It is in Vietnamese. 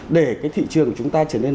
để cái thị trường của chúng ta trở nên